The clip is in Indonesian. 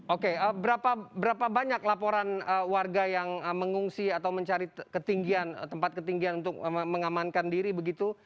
oke berapa banyak laporan warga yang mengungsi atau mencari ketinggian tempat ketinggian untuk mengamankan diri begitu